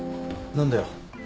何だよ？